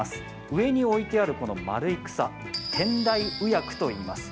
上に置いてあるこの丸い草テンダイウヤクといいます。